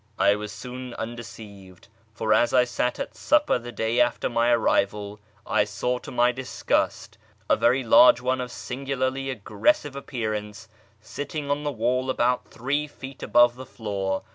I was soon unde ceived, for as I sat at supper the day after my arrival, I saw to my disgust a very large one of singularly aggressive appear ance sitting on the wall about three feet above the floor.